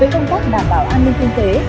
với công quốc đảm bảo an ninh kinh tế